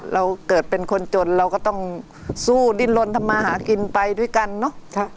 เราเกิดเป็นคนจนเราก็ต้องสู้ดิ้นลนทำมาหากินไปด้วยกันเนอะ